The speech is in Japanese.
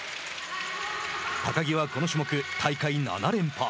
高木はこの種目、大会７連覇。